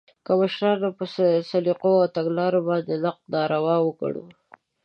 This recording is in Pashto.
که د مشرانو په سلیقو او تګلارو باندې نقد ناروا وګڼو